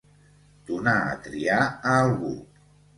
Donar a triar a algú.